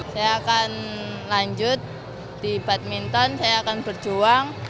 saya akan lanjut di badminton saya akan berjuang